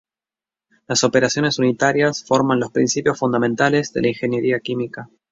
Las operaciones unitarias forman los principios fundamentales de la ingeniería química.